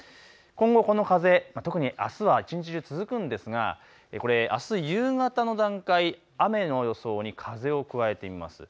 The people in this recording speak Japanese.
今後この風、特にあすは一日中続くんですが、あす夕方の段階、雨の予想に風を加えてみます。